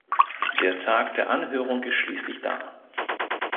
Der Tag der Anhörung ist schließlich da.